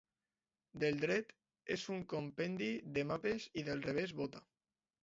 Del dret és un compendi de mapes i del revés bota.